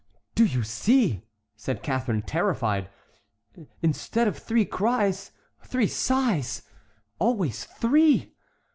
"Do you see," said Catharine, terrified, "instead of three cries, three sighs? Always three!